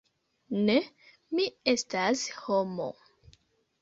"Ne, mi estas homo."